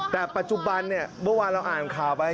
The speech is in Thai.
แต่ปัจจุบันวันวานเราอ่านข่าวไป